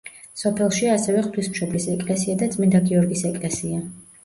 სოფელშია ასევე ღვთისმშობლის ეკლესია და წმინდა გიორგის ეკლესია.